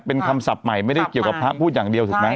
เป็นคำศัพท์ใหม่ไม่ได้เกี่ยวกับพระพูดอย่างเดียวถูกไหม